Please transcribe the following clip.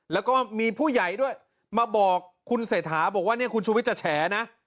แล้วก็มีผู้ใหญ่ด้วยมาบอกคุณเศรษฐาบอกว่าเนี่ยคุณชูวิทย์จะแฉนะ